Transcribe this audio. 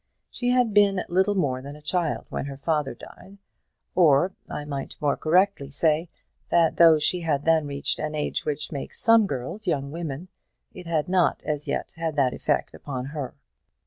She had been little more than a child when her father died; or I might more correctly say, that though she had then reached an age which makes some girls young women, it had not as yet had that effect upon her.